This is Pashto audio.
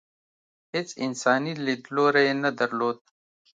هېڅ انساني لیدلوری یې نه درلود.